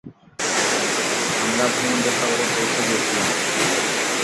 আমরা ভূমধ্যসাগরে পৌঁছে গেছিলাম।